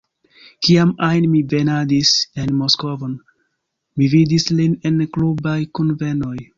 Kiam ajn mi venadis en Moskvon, mi vidis lin en klubaj kunvenoj.